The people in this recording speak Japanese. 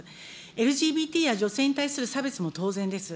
ＬＧＢＴや女性に対する差別も当然です。